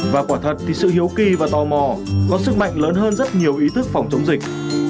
và quả thật thì sự hiếu kỳ và tò mò có sức mạnh lớn hơn rất nhiều ý thức phòng chống dịch